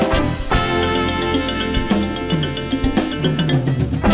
โปรดติดตนชิม